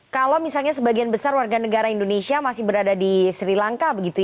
kalau misalnya sebagian besar warga negara indonesia masih berada di sri lanka begitu ya